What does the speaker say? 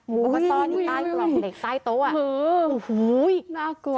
งูก็ซ่อนอยู่ใต้กล่องเหล็กใต้โต๊ะโอ้โหน่ากลัว